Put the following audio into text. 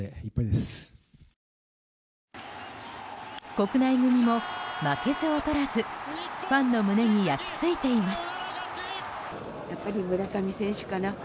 国内組も負けず劣らずファンの胸に焼き付いています。